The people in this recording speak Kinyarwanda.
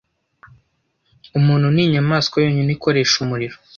Umuntu ninyamaswa yonyine ikoresha umuriro.